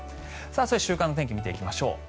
そして週間の天気見ていきましょう。